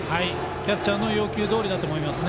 キャッチャーの要求どおりだと思います。